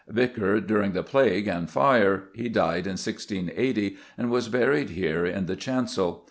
Vicar during the Plague and the Fire, he died in 1680, and was buried here in the chancel.